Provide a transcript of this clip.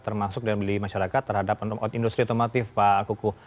termasuk daya beli masyarakat terhadap industri otomotif pak kuku